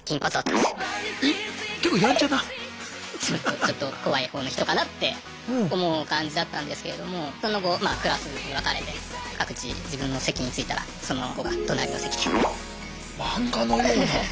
ちょっと怖いほうの人かなって思う感じだったんですけれどもその後クラスに分かれて各自自分の席に着いたらその子が隣の席で。